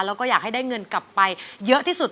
แล้วก็อยากให้ได้เงินกลับไปเยอะที่สุด